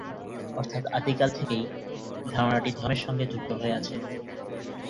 অর্থাৎ আদি কাল থেকেই ধারনাটি ধর্মের সঙ্গে যুক্ত হয়ে আছে।